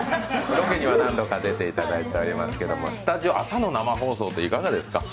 ロケには何度か出ていただいておりますけど、スタジオ、朝の生放送っていかがですか？